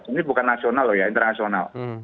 ini bukan nasional loh ya internasional